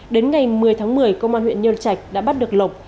đến ngày một mươi tháng một mươi công an huyện nhân trạch đã bắt được lộc